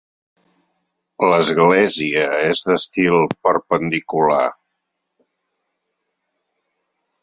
L'església és d'estil perpendicular.